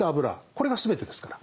これが全てですから。